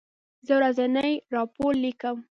زه ورځنی راپور لیکم.